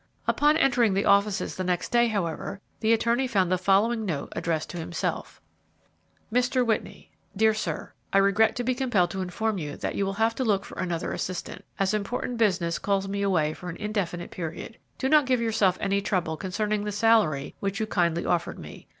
Upon entering the offices the next day, however, the attorney found the following note addressed to himself: "Mr. WHITNEY. "DEAR SIR, I regret to be compelled to inform you that you will have to look for another assistant, as important business calls me away for an indefinite period. Do not give yourself any trouble concerning the salary which you kindly offered me.